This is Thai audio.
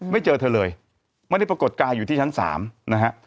เจอเธอเลยไม่ได้ปรากฏกายอยู่ที่ชั้น๓นะฮะ